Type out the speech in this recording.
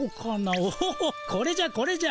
おこれじゃこれじゃ。